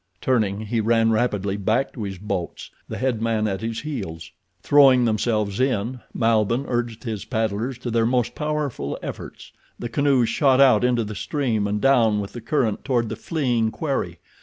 Turning, he ran rapidly back to his boats, the head man at his heels. Throwing themselves in, Malbihn urged his paddlers to their most powerful efforts. The canoes shot out into the stream and down with the current toward the fleeing quarry.